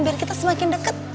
biar kita semakin deket